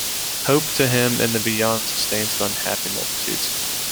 Hope, to him, in the Beyond sustains the unhappy multitudes.